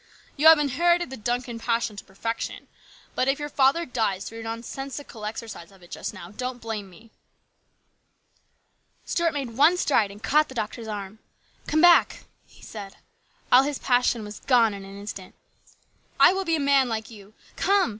" You have inherited the Duncan passion to perfection ; but if your father dies through your nonsensical exercise of it just now, don't blame me." Stuart made one stride and caught the doctor's arm. " Come back !" he said. All his passion was gone in an instant. " I will be a man like you. Come